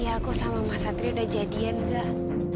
iya aku sama mas satria udah jadian zah